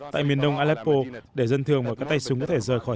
tại miền đông aleppo để dân thường và các tay súng có thể rời khỏi